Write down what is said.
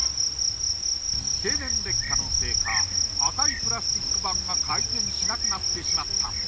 経年劣化のせいか赤いプラスチック板が回転しなくなってしまった。